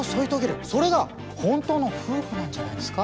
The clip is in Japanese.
それが本当の夫婦なんじゃないですか？